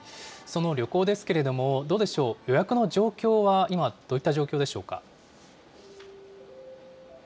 その旅行ですけれども、どうでしょう、予約の状況は今、どういった状況でしょうか。